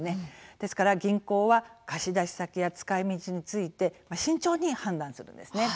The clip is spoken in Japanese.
ですから銀行は貸し出し先や使いみちについて慎重に判断するんですね。